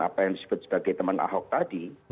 apa yang disebut sebagai teman ahok tadi